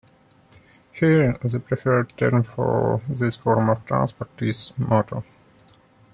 Here, the preferred term for this form of transport is "moto".